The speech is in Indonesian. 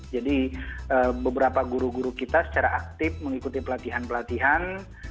jadi beberapa guru guru kita secara aktif mengikuti pelatihan pelatihan